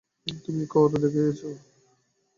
তুমি করে দেখিয়েছো।